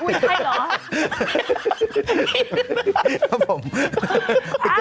พรุ่งนี้นะครับ